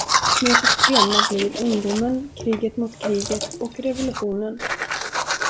Mötets tema blir Ungdomen, kriget mot kriget och revolutionen.